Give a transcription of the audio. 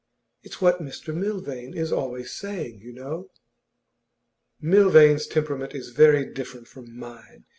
It's what Mr Milvain is always saying, you know.' 'Milvain's temperament is very different from mine.